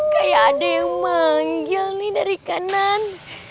kayak ada yang manggil nih dari kanan